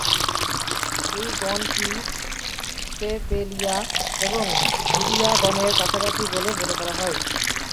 এই গণটি স্টেপেলিয়া এবং হুদিয়া গণের কাছাকাছি বলে মনে করা হয়।